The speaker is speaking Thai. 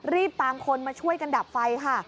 รีบตามคนมาช่วยกันดับไฟค่ะ